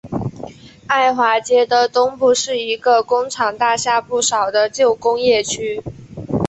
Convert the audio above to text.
埃华街的东部是一个工厂大厦不少的旧工业区。